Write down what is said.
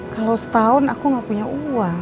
kalau setahun aku nggak punya uang